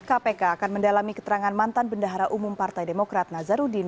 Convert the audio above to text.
kpk akan mendalami keterangan mantan bendahara umum partai demokrat nazarudin